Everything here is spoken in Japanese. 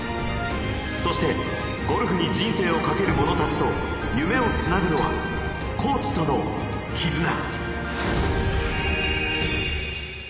そしてゴルフに人生をかける者たちと夢をつなぐのはコーチとのキズナ。